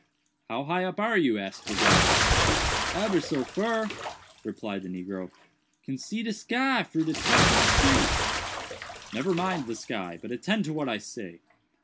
"How high up are you?" asked Legrand. "Ebber so fur," replied the negro; "can see de sky fru de top ob de tree." "Never mind the sky, but attend to what I say.